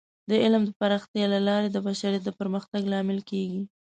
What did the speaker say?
د علم د پراختیا له لارې د بشریت د پرمختګ لامل کیږي.